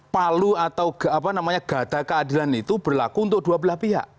palu atau gada keadilan itu berlaku untuk dua belah pihak